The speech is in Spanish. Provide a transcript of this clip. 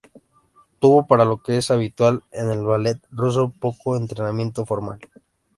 Tuvo, para lo que es habitual en el ballet ruso, poco entrenamiento formal.